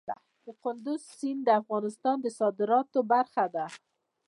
کندز سیند د افغانستان د صادراتو برخه ده.